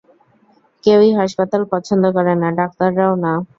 কেউই হাসপাতাল পছন্দ করে না, ডাক্তাররাও না।